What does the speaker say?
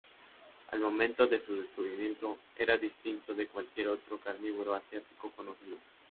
Al momento de su descubrimiento, era distinto de cualquier otro carnívoro asiático conocido.